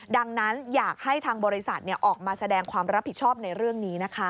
ดังนั้นอยากให้ทางบริษัทออกมาแสดงความรับผิดชอบในเรื่องนี้นะคะ